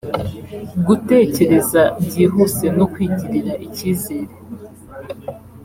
gutekereza byihuse no kwigirira icyizere